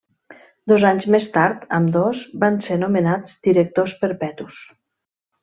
Dos anys més tard ambdós van ser nomenats directors perpetus.